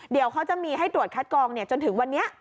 เดี๋ยวเขาจะมีให้ตรวจคัดกองจนถึงวันนี้